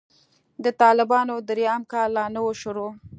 د طالبانو درېيم کال لا نه و شروع.